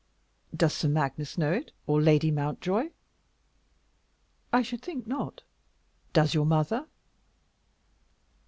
"Does Sir Magnus know it, or Lady Mountjoy?" "I should think not." "Does your mother?"